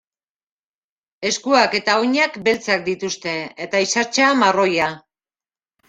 Eskuak eta oinak beltzak dituzte eta isatsa marroia.